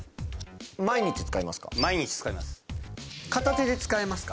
毎日使います。